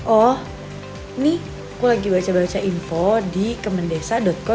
oh nih aku lagi baca baca info di kementerian kesehatan